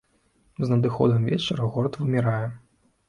З надыходам вечара горад вымірае.